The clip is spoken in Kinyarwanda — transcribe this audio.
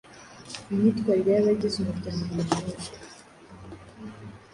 imyitwarrire y’abagize umuryango uyu n’uyu